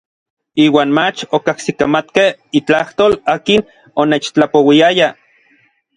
Iuan mach okajsikamatkej itlajtol akin onechtlapouiaya.